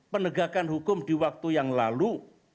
penegakan hukum di waktu yang lalu